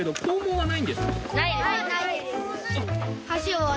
はい。